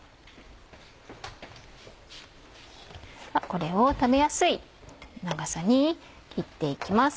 これを食べやすい長さに切って行きます。